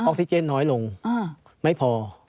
ออกซิเจนน้อยลงไม่พอ